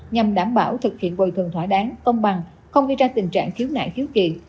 nhằm đảm bảo thực hiện bồi thường thỏa đáng công bằng không gây ra tình trạng khiếu nại khiếu kiện